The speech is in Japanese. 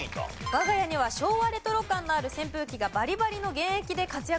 我が家には昭和レトロ感のある扇風機がバリバリの現役で活躍している。